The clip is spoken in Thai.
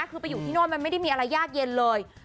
คือไปอยู่ที่โน่นมันไม่ได้มีอะไรยากเย็นเลย